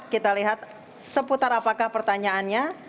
kita lihat seputar apakah pertanyaannya